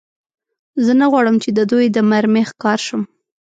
زه نه غواړم، چې د دوی د مرمۍ ښکار شم.